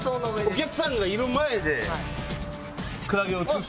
お客さんがいる前でクラゲを移す？